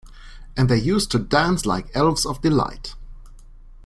And they used to dance like elves of delight.